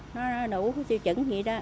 nó đủ siêu chứng gì đó